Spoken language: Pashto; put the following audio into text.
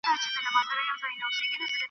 پرلحد به دي رقیبه نه بیرغ وي نه جنډۍ وي .